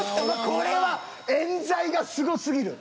これは冤罪がすごすぎる。